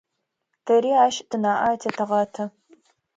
Тэри ащ тынаӏэ атетэгъэты.